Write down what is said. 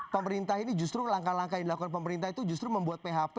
pemerintah ini justru langkah langkah yang dilakukan pemerintah itu justru membuat php